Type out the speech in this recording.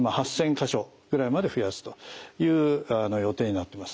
か所ぐらいまで増やすという予定になってます。